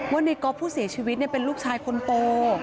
ว่าในก๊อฟผู้เสียชีวิตเป็นลูกชายคนโต